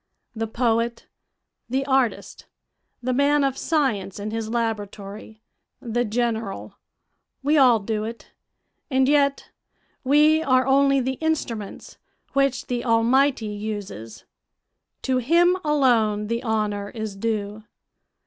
The poet, the artist, the man of science in his laboratory, the general, we all do it; and yet we are only the instruments which the Almighty uses; to Him alone the honor is due.